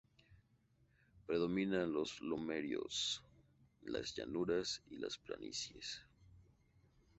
Predominan los lomeríos, las llanuras y las planicies.